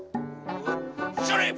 それ！